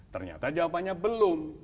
ternyata jawabannya belum